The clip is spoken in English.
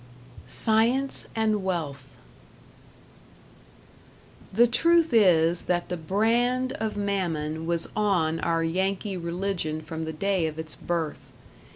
#Science and Wealth# The truth is that the brand of Mammon was on our Yankee religion from the day of its birth.